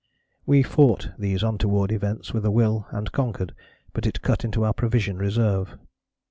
We fought these untoward events with a will and conquered, but it cut into our provision reserve.